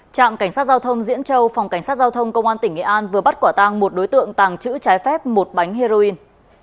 trạm cảnh sát giao thông diễn châu phòng cảnh sát giao thông công an tỉnh nghệ an vừa bắt quả tàng một đối tượng tàng trữ trái phép một bánh heroin